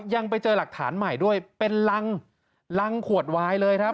ยังไปเจอหลักฐานใหม่ด้วยเป็นรังรังขวดวายเลยครับ